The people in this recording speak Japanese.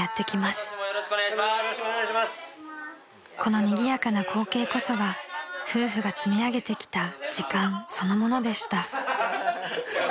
［このにぎやかな光景こそが夫婦が積み上げてきた時間そのものでした］